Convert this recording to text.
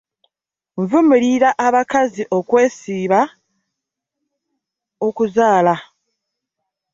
Nvumirira abakazi okwesiba okuzaala.